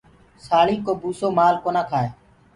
ساݪينٚ ڪو بوُسو مآل ڪونآ کآئي۔